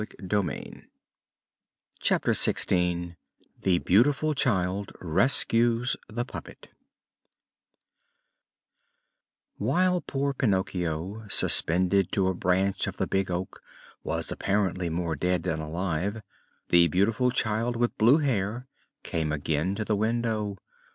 CHAPTER XVI THE BEAUTIFUL CHILD RESCUES THE PUPPET While poor Pinocchio, suspended to a branch of the Big Oak, was apparently more dead than alive, the beautiful Child with blue hair came again to the window.